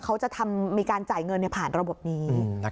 เขาจะมีการจ่ายเงินผ่านระบบนี้